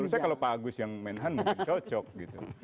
menurut saya kalau pak agus yang menhan mungkin cocok gitu